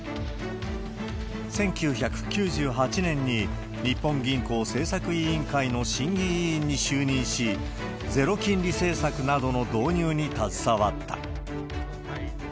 １９９８年に、日本銀行政策委員会の審議委員に就任し、ゼロ金利政策などの導入に携わった。